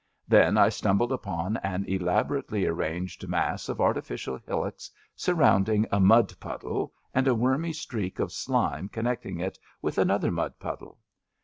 Then I stumbled upon an elaborately arranged mass of artifidal hillocks surrounding a mud puddle and a wormy streak of slime connecting it with another mud puddle.